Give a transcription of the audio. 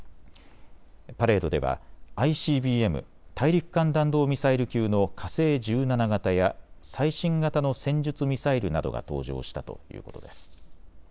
パレードではＩＣＢＭ・大陸間弾道ミサイル級の火星１７型や最新型の戦術ミサイルなどが登場したということです。